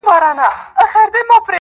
o د ښکلو رب ته مي سجده په ميکده کي وکړه